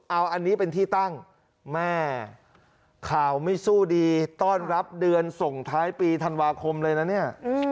เอาอันนี้เป็นที่ตั้งแม่ข่าวไม่สู้ดีต้อนรับเดือนส่งท้ายปีธันวาคมเลยนะเนี่ย